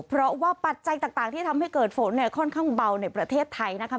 เพราะว่าปัจจัยต่างที่ทำให้เกิดฝนเนี่ยค่อนข้างเบาในประเทศไทยนะคะ